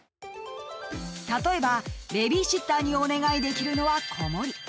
［例えばベビーシッターにお願いできるのは子守り］